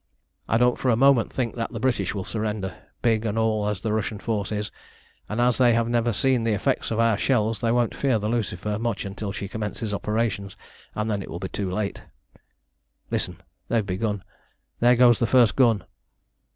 "I don't for a moment think that the British will surrender, big and all as the Russian force is, and as they have never seen the effects of our shells they won't fear the Lucifer much until she commences operations, and then it will be too late. Listen! They've begun. There goes the first gun!"